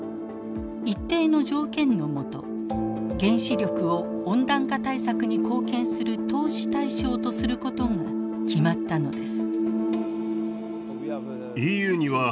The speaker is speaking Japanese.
一定の条件の下原子力を温暖化対策に貢献する投資対象とすることが決まったのです。